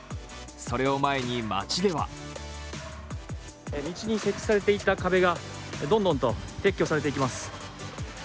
それを前に街では道に設置されていた壁がどんどんと撤去されていきます。